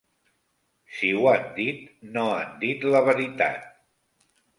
Si ho han dit, no han dit la veritat.